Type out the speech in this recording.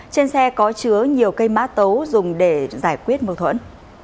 trên xe có chứa nhiều cây mã tấu dùng để giải quyết mâu thuẫn